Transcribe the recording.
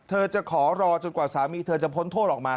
เธอจะขอรอจนสามีเธอจะผนโทษออกมา